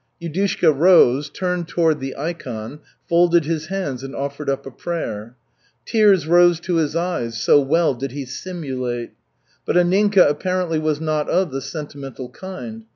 Yudushka rose, turned toward the ikon, folded his hands, and offered up a prayer. Tears rose to his eyes, so well did he simulate. But Anninka apparently was not of the sentimental kind.